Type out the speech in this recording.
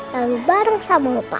lalu bareng sama opa